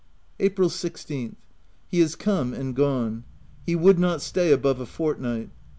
April 16th. — He is come and gone. He would not stay above a fortnight.